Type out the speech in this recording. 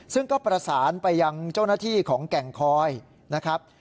ซึ่งก็ประสานไปยังเจ้าหน้าที่ของแก่งคอยนะครับ